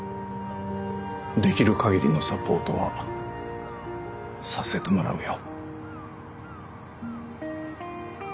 できる限りのサポートはさせてもらうよ。